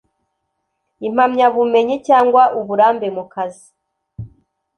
Impamyabumenyi cyangwa uburambe mu kazi